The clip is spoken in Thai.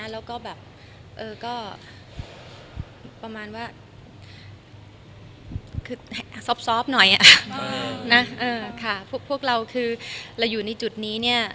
แล้วก็แบบก็ประมาณว่าคือซอบหน่อยค่ะพวกเราคือเราอยู่ในจุดนี้เนี่ย